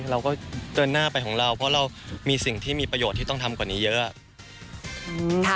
เราก็เดินหน้าไปของเราเพราะเรามีสิ่งที่มีประโยชน์ที่ต้องทำกว่านี้เยอะ